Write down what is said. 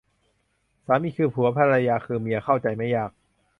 สามีคือผัว ภรรยาคือเมีย เข้าใจไม่ยาก